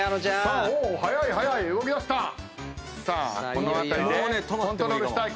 この辺りでコントロールしたい。